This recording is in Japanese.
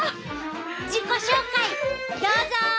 自己紹介どうぞ！